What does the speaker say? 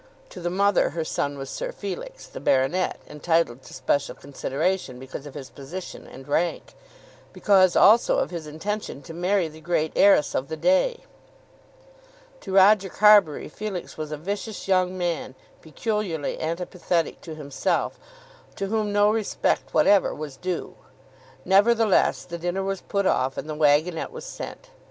To the mother her son was Sir Felix, the baronet, entitled to special consideration because of his position and rank, because also of his intention to marry the great heiress of the day. To Roger Carbury, Felix was a vicious young man, peculiarly antipathetic to himself, to whom no respect whatever was due. Nevertheless the dinner was put off, and the waggonnette was sent.